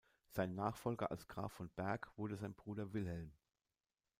Sein Nachfolger als Graf von Berg wurde sein Bruder Wilhelm.